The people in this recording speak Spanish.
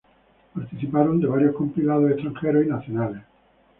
Participaron de varios compilados extranjeros y nacionales.